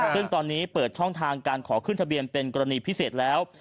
ซึ่งตอนนี้เปิดช่องทางการขอขึ้นทะเบียนเป็นกรณีพิเศษแล้ว